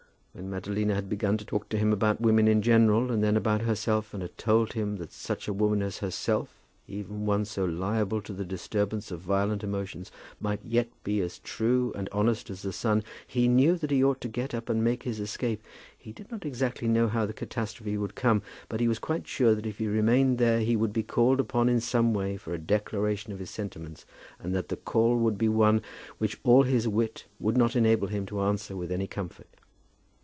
When Madalina had begun to talk to him about women in general, and then about herself, and had told him that such a woman as herself, even one so liable to the disturbance of violent emotions, might yet be as true and honest as the sun, he knew that he ought to get up and make his escape. He did not exactly know how the catastrophe would come, but he was quite sure that if he remained there he would be called upon in some way for a declaration of his sentiments, and that the call would be one which all his wit would not enable him to answer with any comfort.